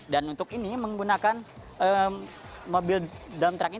dan untuk ini menggunakan mobil dalam truk ini